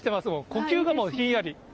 呼吸がもうひんやり。